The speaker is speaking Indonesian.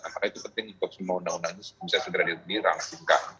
apakah itu penting untuk semua undang undang bisa segera diadukin ralasi buka